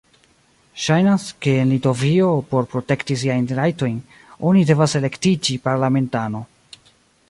Ŝajnas, ke en Litovio, por protekti siajn rajtojn, oni devas elektiĝi parlamentano.